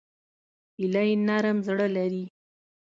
هیلۍ نرم زړه لري